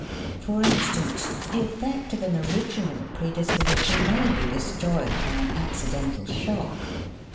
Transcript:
For instance, the effect of an original predisposition may be destroyed by an accidental shock.